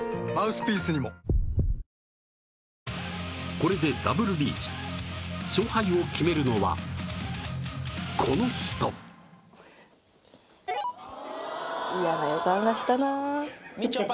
これでダブルリーチ勝敗を決めるのはこの人みちょぱ